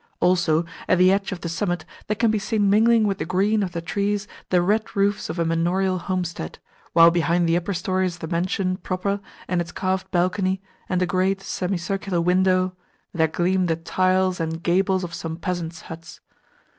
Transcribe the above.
Also, at the edge of the summit there can be seen mingling with the green of the trees the red roofs of a manorial homestead, while behind the upper stories of the mansion proper and its carved balcony and a great semi circular window there gleam the tiles and gables of some peasants' huts.